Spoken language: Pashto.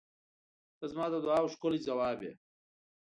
ته زما د دعاوو ښکلی ځواب یې.